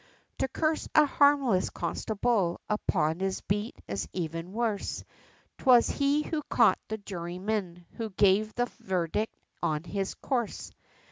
To curse a harmless constable upon his beat, is even worse; 'Twas he who caught the jurymen, who gave the verdict on his corse.